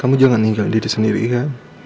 kamu jangan ninggal didi sendiri ya